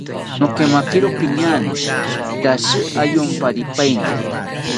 Nokemakiro piñaane rashi ayomparipaeni